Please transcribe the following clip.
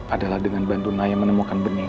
adalah dengan bantu naya menemukan benih